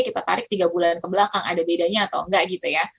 kita tarik tiga bulan kebelakang ada bedanya atau enggak gitu ya